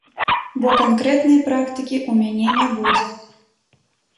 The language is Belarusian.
Бо канкрэтнай практыкі ў мяне не будзе.